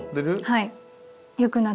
はい。